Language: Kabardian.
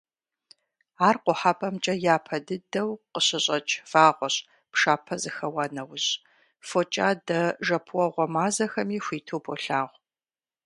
Ар Къухьэпӏэмкӏэ япэ дыдэу къыщыщӏэкӏ вагъуэщ, пшапэ зэхэуа нэужь, фокӏадэ-жэпуэгъуэ мазэхэми хуиту болъагъу.